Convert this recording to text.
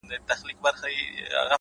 • گرول يې خپل غوږونه په لاسونو,